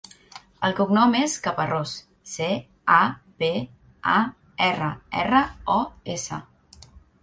El cognom és Caparros: ce, a, pe, a, erra, erra, o, essa.